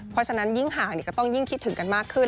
เพราะฉะนั้นยิ่งห่างก็ต้องยิ่งคิดถึงกันมากขึ้น